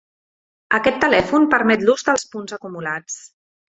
Aquest telèfon permet l'ús dels punts acumulats.